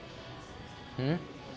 うん？